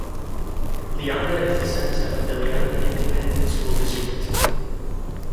Leander is the center of the Leander Independent School District.